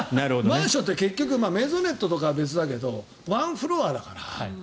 マンションって結局メゾネットとかは別だけどワンフロアだから。